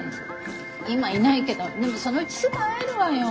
今いないけどでもそのうちすぐ会えるわよ。